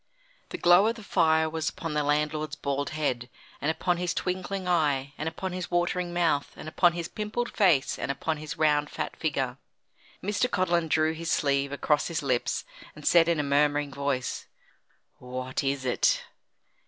The glow of the fire was upon the landlord's bald head, and upon his twinkling eye, and upon his watering mouth, and upon his pimpled face, and upon his round fat figure. Mr. Codlin drew his sleeve across his lips, and said in a murmuring voice: "What is it?"